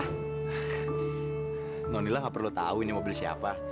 ah nonila nggak perlu tahu ini mobil siapa